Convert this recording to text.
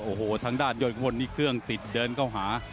โอ้โหทางด้านยอดพลนี่เครื่องติดเดินเข้าหา